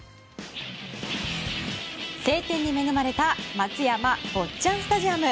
晴天に恵まれた松山・坊っちゃんスタジアム。